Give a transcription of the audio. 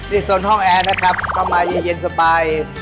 โซนห้องแอร์นะครับก็มาเย็นสบาย